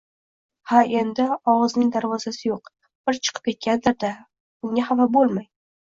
— Ha, endi, ogʼizning darvozasi yoʼq, bir chiqib ketgandir-da, bunga xafa boʼlmang